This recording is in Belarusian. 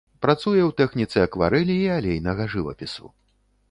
Працуе ў тэхніцы акварэлі і алейнага жывапісу.